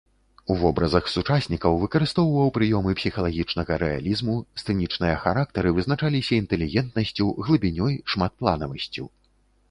У вобразах сучаснікаў выкарыстоўваў прыёмы псіхалагічнага рэалізму, сцэнічныя характары вызначаліся інтэлігентнасцю, глыбінёй, шматпланавасцю.